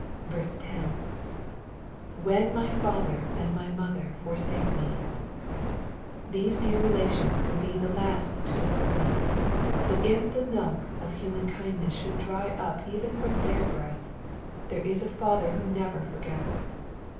10. " When my father and my mother fortakt m«." These dear relations will t>e the last to desert me, but if the milk of human kindness should dry up even from tlieir bressts, there is a Father who never forgets.